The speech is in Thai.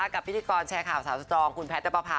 พิธีกรแชร์ข่าวสาวสตรองคุณแพทย์นับประพา